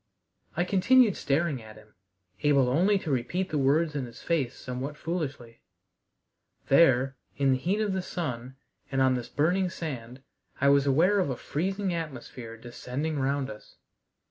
I continued staring at him, able only to repeat the words in his face somewhat foolishly. There, in the heat of the sun, and on this burning sand, I was aware of a freezing atmosphere descending round us.